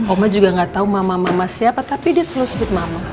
oma juga gak tahu mama mama siapa tapi dia selalu sebut mama